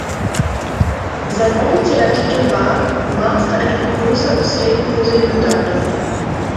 Sein offizieller Titel war „Master and composer of state music in Dublin“.